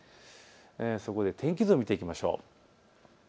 そこで天気図を見ていきましょう。